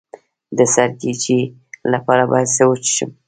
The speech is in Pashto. د سرګیچي لپاره باید څه شی وڅښم؟